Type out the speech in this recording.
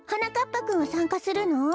ぱくんはさんかするの？